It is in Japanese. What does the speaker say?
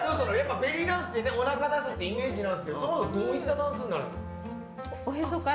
ベリーダンスっておなか出すイメージなんですけどそもそもどういったダンスになるんですか？